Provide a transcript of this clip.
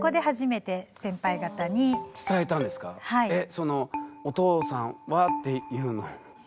そのお父さんはっていうのもですか？